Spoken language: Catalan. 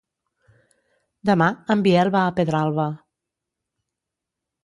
Demà en Biel va a Pedralba.